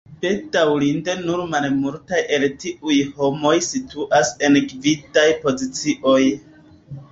Bedaŭrinde nur malmultaj el tiuj homoj situas en gvidaj pozicioj.